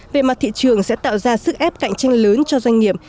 về mặt thị trường sẽ tạo ra sức ép cạnh tranh lớn cho doanh nghiệp